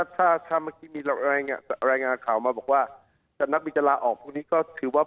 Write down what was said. ถ้าเมื่อกี้มีรายงานข่าวมาบอกว่านักบินจะลาออกพรุ่งนี้ก็คือว่า